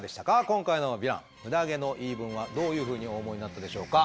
今回のヴィランムダ毛の言い分はどういうふうにお思いになったでしょうか？